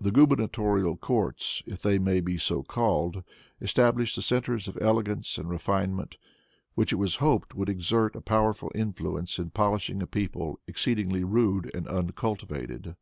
The gubernatorial courts, if they may so be called, established centers of elegance and refinement, which it was hoped would exert a powerful influence in polishing a people exceedingly rude and uncultivated.